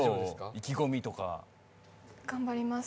意気込みとか頑張ります